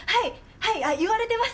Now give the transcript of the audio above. はい言われてます。